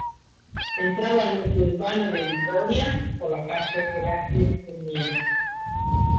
Entraba al núcleo urbano de Vitoria por la Calle Heraclio Fournier.